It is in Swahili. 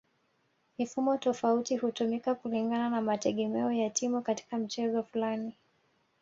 Mifumo tofauti hutumika kulingana na mategemeo ya timu katika mchezo fulani